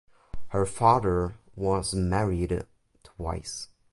Her father was married twice.